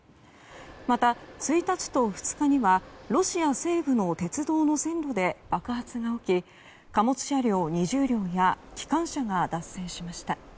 また、１日と２日にはロシア西部の鉄道の線路で爆発が起き貨物車両２０両や機関車が脱線しました。